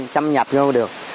xâm nhập vô được